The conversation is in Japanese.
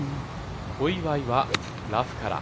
小祝はラフから。